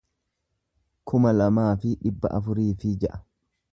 kuma lamaa fi dhibba afurii fi ja'a